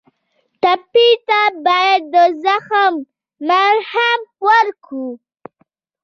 ټپي ته باید د زخم مرهم ورکړو.